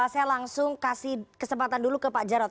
saya langsung kasih kesempatan dulu ke pak jarod